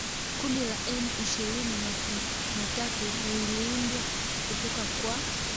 Kundi la M ishirini na tatu liliundwa kutoka kwa